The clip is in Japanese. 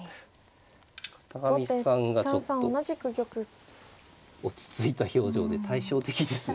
片上さんがちょっと落ち着いた表情で対称的ですね。